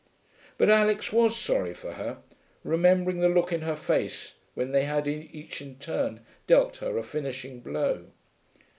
But Alix was sorry for her, remembering the look in her face when they had each in turn dealt her a finishing blow.